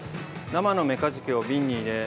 生のメカジキを瓶に入れ